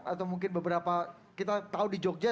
atau mungkin beberapa kita tahu di jogja